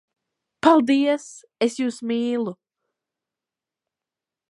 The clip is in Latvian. Paldies! Es jūs mīlu!